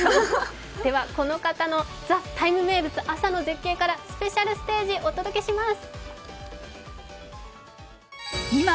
この方の「ＴＨＥＴＩＭＥ，」名物、朝の絶景からスペシャルステージ、お届けします